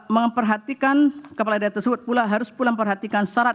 memperhatikan kepala daerah tersebut pula harus pula memperhatikan syarat